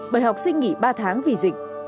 bởi học sinh nghỉ ba tháng vì dịch